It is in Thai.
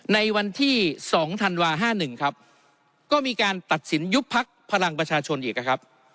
ในวันที่สองธันวาห้าหนึ่งครับก็มีการตัดสินยุบพลักษณ์พลังประชาชนอีกครับครับ